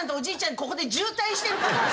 ここで渋滞してるから。